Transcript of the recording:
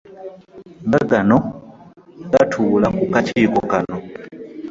Nga gano gatuula ku kakiiko kano